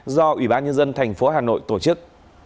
do ủy ban nhân dân tp hà nội tổ chức